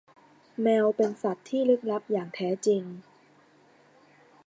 แมวเป็นสัตว์ที่ลึกลับอย่างแท้จริง